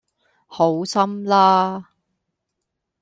好心啦